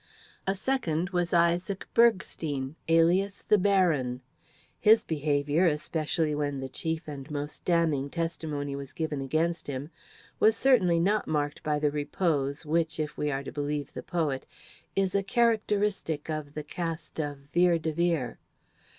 A second was Isaac Bergstein, alias "The Baron." His behaviour, especially when the chief and most damning testimony was being given against him, was certainly not marked by the repose which, if we are to believe the poet, is a characteristic of the caste of Vere de Vere.